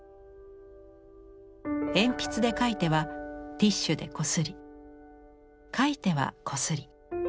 鉛筆で描いてはティッシュでこすり描いてはこすり。